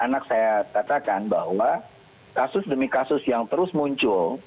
anak saya katakan bahwa kasus demi kasus yang terus muncul